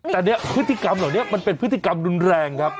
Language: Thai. แต่เนี่ยพฤติกรรมเหล่านี้มันเป็นพฤติกรรมรุนแรงครับ